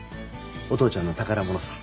お父ちゃんの宝物さ。